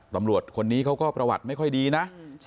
ตำรวจคนนี้เขาก็ประวัติไม่ค่อยดีนะ